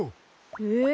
えっ？